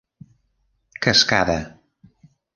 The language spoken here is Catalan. Cascada: